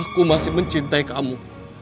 aku masih mencintai kamu